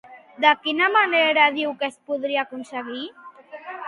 De quina manera diu que es podria aconseguir?